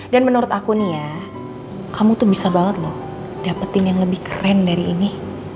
dan menurut aku nih ya kamu tuh bisa banget loh dapetin yang lebih keren dari ini